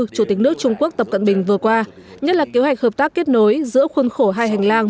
chủ tịch nước trung quốc tập cận bình vừa qua nhất là kế hoạch hợp tác kết nối giữa khuôn khổ hai hành lang